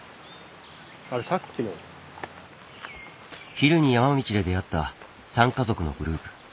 昼に山道で出会った３家族のグループ。